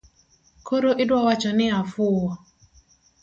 Koro iduawacho ni afuwo?